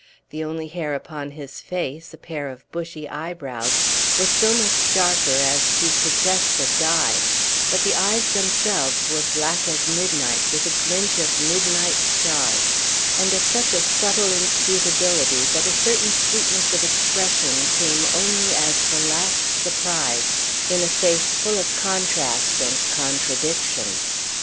The only hair upon his face, a pair of bushy eyebrows, was so much darker as to suggest a dye; but the eyes themselves were black as midnight, with a glint of midnight stars, and of such a subtle inscrutability that a certain sweetness of expression came only as the last surprise in a face full of contrast and contradiction.